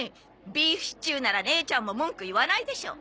ビーフシチューなら姉ちゃんも文句言わないでしょ。